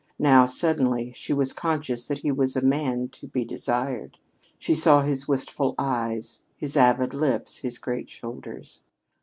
Now, suddenly, she was conscious that he was a man to be desired. She saw his wistful eyes, his avid lips, his great shoulders.